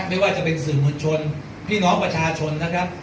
ไม่ว่าจะเป็นสื่อมวลชนพี่น้องประชาชนนะครับ